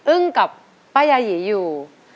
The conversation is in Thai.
อึ้งกับป้ายายีอยู่